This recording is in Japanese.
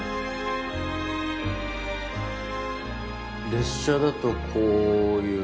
列車だとこういうルート。